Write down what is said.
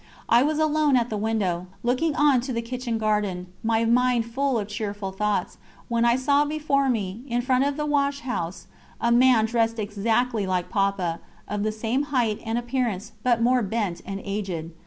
I was alone at the window, looking on to the kitchen garden, my mind full of cheerful thoughts, when I saw before me, in front of the wash house, a man dressed exactly like Papa, of the same height and appearance, but more bent and aged.